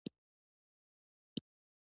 دى درې مياشتې په رواني روغتون کې پروت و.